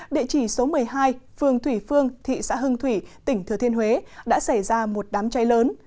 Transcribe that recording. địa chỉ số một mươi hai phường thủy phương thị xã hưng thủy tỉnh thừa thiên huế đã xảy ra một đám cháy lớn